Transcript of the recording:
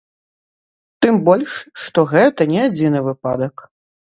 Тым больш, што гэта не адзіны выпадак.